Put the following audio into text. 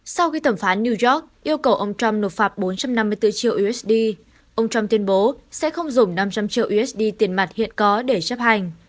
sau khi thẩm phán new york yêu cầu ông trump nộp phạt bốn trăm năm mươi bốn triệu usd ông trump tuyên bố sẽ không dùng năm trăm linh triệu usd tiền mặt hiện có để chấp hành